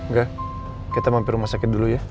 enggak kita mampir rumah sakit dulu ya